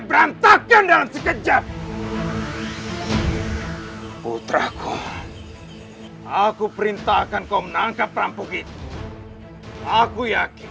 berantakan dalam sekejap putraku aku perintahkan kau menangkap perampok itu aku yakin